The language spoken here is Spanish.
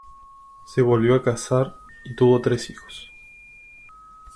Se volvió a casar y tuvo tres hijos.